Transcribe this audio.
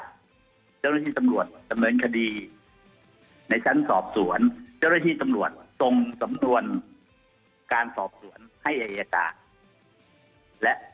๔๖บาทเจ้าระที่สำรวจทำรวญคดีในชั้นสอบสวนเจ้าระที่สำรวจทรงสำนวลการสอบสวนให้รักฐานและ